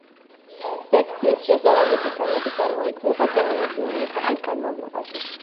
სექციის შესაბამისი ქანები წარმოიქმნება გეოლოგიური ეპოქის განმავლობაში.